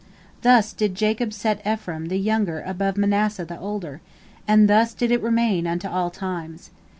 Thus did Jacob set Ephraim the younger above Manasseh the older, and thus did it remain unto all times.